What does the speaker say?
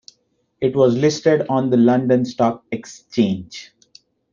It was listed on the London Stock Exchange.